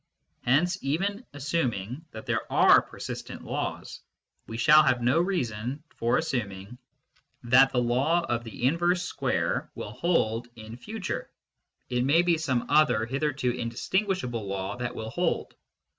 Hence, even assuming that there are persistent laws, we shall have no reason for assuming that the law of the inverse square will hold in future ; it may be some other hitherto indistinguishable law that will hold.